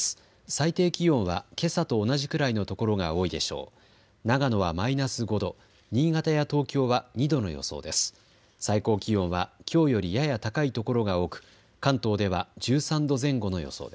最低気温はけさと同じくらいのところが多いでしょう。